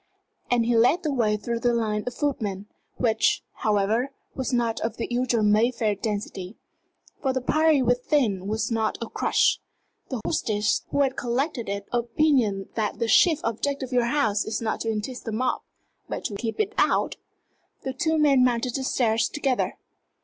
And he led the way through the line of footmen, which, however, was not of the usual Mayfair density. For the party within was not a "crush." The hostess who had collected it was of opinion that the chief object of your house is not to entice the mob, but to keep it out. The two men mounted the stairs together.